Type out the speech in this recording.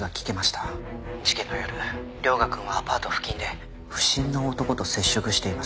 事件の夜涼牙くんはアパート付近で不審な男と接触しています。